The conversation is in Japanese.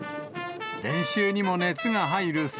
練習にも熱が入る